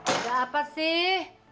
ada apa sih